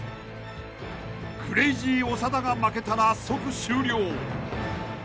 ［クレイジー長田が負けたら即終了］